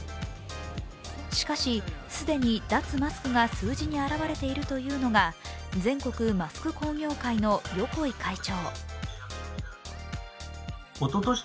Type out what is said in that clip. しかし、既に脱マスクが数字に表れているというのが全国マスク工業会の横井会長。